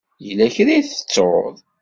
Yella kra i tettuḍ?